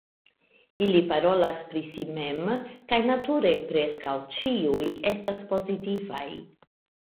Ili parolas pri si mem, kaj nature preskaŭ ĉiuj estas pozitivaj.